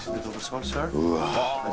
うわ。